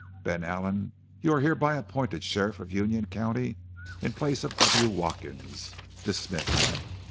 "Ben Allen: You are hereby appointed sheriff of Union County in place of W. Watkins, dismissed.